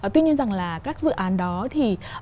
tuy nhiên rằng là các dự án đó thì